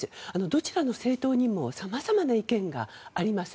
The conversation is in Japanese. どちらの政党にも様々な意見があります。